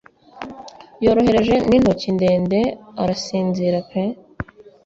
Yoroheje n'intoki ndende, arasinzira pe